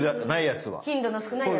頻度の少ないやつ。